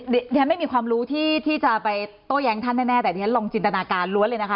ฉันไม่มีความรู้ที่จะไปโต้แย้งท่านแน่แต่ดิฉันลองจินตนาการล้วนเลยนะคะ